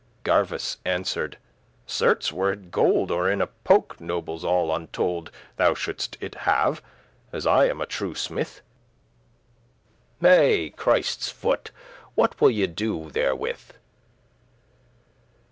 Gerveis answered; "Certes, were it gold, Or in a poke* nobles all untold, *purse Thou shouldst it have, as I am a true smith. Hey! Christe's foot, what will ye do therewith?"